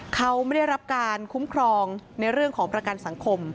เขาไม่ได้รับการคุ้มครองในเรื่องของประกันสังคม